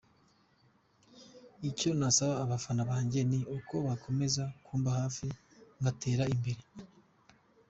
Icyo nasaba abafana banjye ni uko bakomeza kumba hafi ngatera imbere.